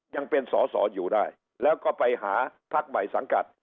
ยังเป็นสอสออยู่ได้แล้วก็ไปหาพักใหม่สังกัด